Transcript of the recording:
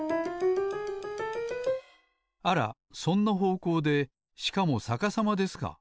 あらそんなほうこうでしかもさかさまですか。